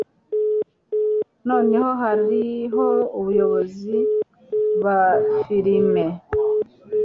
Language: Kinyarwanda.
Noneho hariho abayobozi ba firime